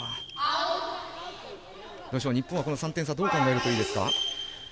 日本は、この３点差どう考えるといいですか。